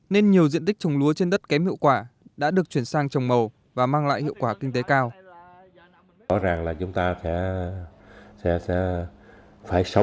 nên nhiều diện tích trồng lúa trên đất kém hiệu quả đã được chuyển sang trồng màu và mang lại hiệu quả kinh tế cao